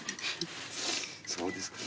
そうですか。